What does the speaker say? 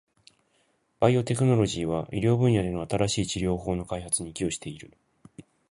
バイオテクノロジーは、医療分野での新しい治療法の開発に寄与している。